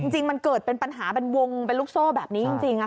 จริงมันเกิดเป็นปัญหาเป็นวงเป็นลูกโซ่แบบนี้จริง